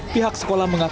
pihak sekolah mengatakan